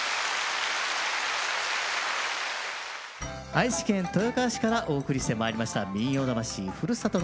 愛知県豊川市からお送りしてまいりました「民謡魂ふるさとの唄」。